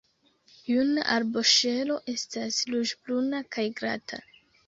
Juna arboŝelo estas ruĝ-bruna kaj glata.